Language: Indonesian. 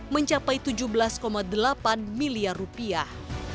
mencapai tujuh belas delapan miliar rupiah